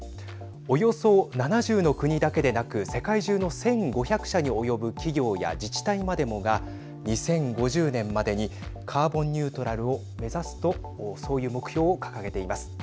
およそ７０の国だけでなく世界中の１５００社に及ぶ企業や自治体までもが２０５０年までにカーボンニュートラルを目指すとそういう目標を掲げています。